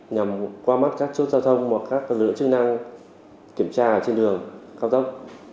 nhằm qua mắt các chốt giao thông và các lưỡng chức năng kiểm tra trên đường cao tốc